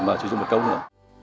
mà sử dụng mật cấu nữa